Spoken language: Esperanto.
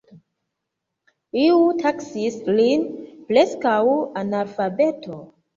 Iu taksis lin "preskaŭ-analfabeto.